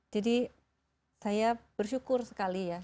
jadi saya bersyukur sekali ya